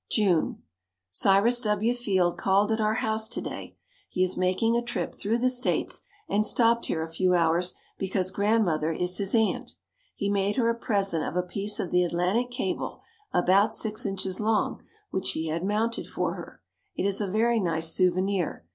June. Cyrus W. Field called at our house to day. He is making a trip through the States and stopped here a few hours because Grandmother is his aunt. He made her a present of a piece of the Atlantic cable about six inches long, which he had mounted for her. It is a very nice souvenir.